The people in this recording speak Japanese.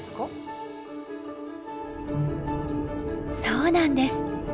そうなんです。